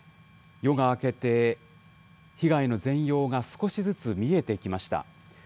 夜が明けて、被害の全容が少しずつ見えてきました。